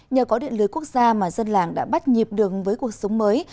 nhờ có điện lưới quốc gia mà dân làng đã bắt nhịp đường với cuộc sống mới